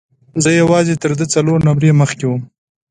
زه یوازې تر ده څلور نمرې مخکې وم.